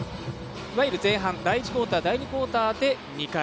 いわゆる前半第１クオーター第２クオーターで２回。